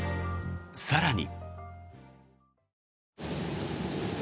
更に。